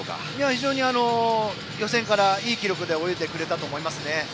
非常に予選からいい動きで泳いでくれたと思います。